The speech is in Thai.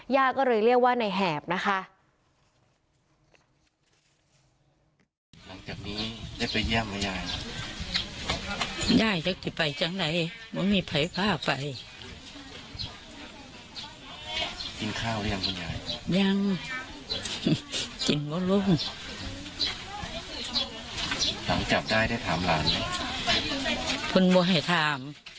ย่าก็เลยเรียกว่าในแหบนะคะ